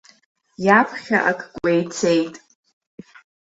Иаԥхьа ак кәеицеит.